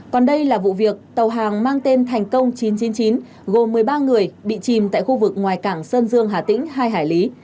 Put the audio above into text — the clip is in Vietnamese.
còn đây là vụ việc tàu hàng mang tên thành công chín trăm chín mươi chín gồm một mươi ba người bị chìm tại khu vực ngoài cảng sơn dương hà tĩnh hai hải lý